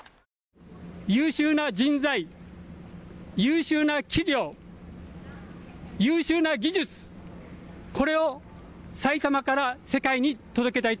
優秀な人材、優秀な企業、優秀な技術、これを埼玉から世界に届けたい。